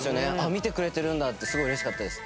見てくれてるんだ！ってすごい嬉しかったです。